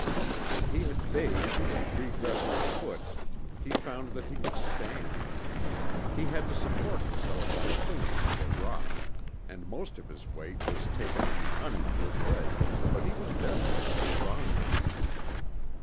When he had bathed and redressed the foot, he found that he could stand. He had to support himself by clinging to a rock, and most of his weight was taken on the uninjured leg, but he was definitely stronger.